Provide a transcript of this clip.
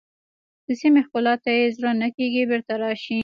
د سیمې ښکلا ته یې زړه نه کېږي بېرته راشئ.